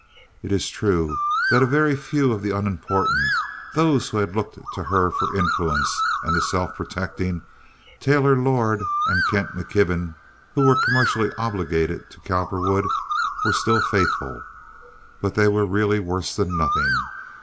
It is true that a very few of the unimportant—those who had looked to her for influence and the self protecting Taylor Lord and Kent McKibben, who were commercially obligated to Cowperwood—were still faithful, but they were really worse than nothing.